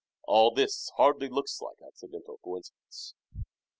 All this hardly looks like accidental coincidence.